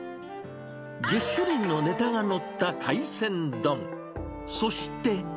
１０種類のねたが載った海鮮丼、そして。